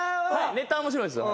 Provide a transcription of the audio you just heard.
ネタは面白いですよ。